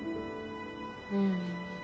うん。